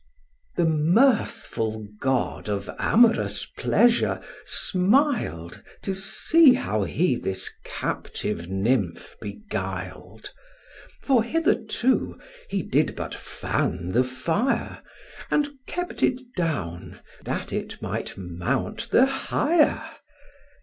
The mirthful god of amorous pleasure smil'd To see how he this captive nymph beguil'd; For hitherto he did but fan the fire, And kept it down, that it might mount the higher.